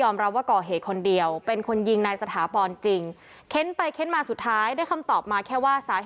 เมืองต้นตำรวจพยายามสอบปากคำ